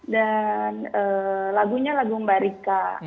dan lagunya lagu mbak rika